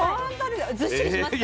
ずっしりしますか？